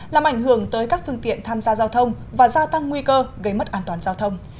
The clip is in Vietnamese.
làm ảnh hưởng tới các phương tiện tham gia giao thông và gia tăng nguy cơ gây mất an toàn giao thông